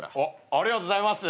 ありがとうございます。